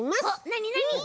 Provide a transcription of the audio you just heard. なになに？